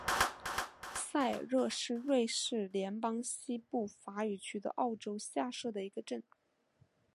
塞尔热是瑞士联邦西部法语区的沃州下设的一个镇。